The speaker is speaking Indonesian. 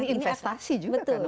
ini investasi juga kan buat mereka ya